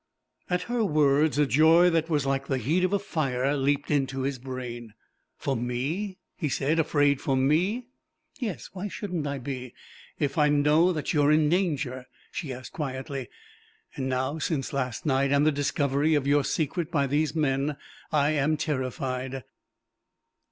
At her words a joy that was like the heat of a fire leaped into his brain. "For me?" he said. "Afraid for me?" "Yes. Why shouldn't I be, if I know that you are in danger?" she asked quietly. "And now, since last night, and the discovery of your secret by these men, I am terrified.